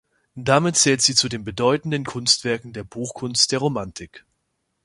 Damit zählt sie zu den bedeutenden Kunstwerken der Buchkunst der Romanik.